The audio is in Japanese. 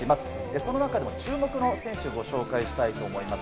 その中でも注目の選手をご紹介したいと思います。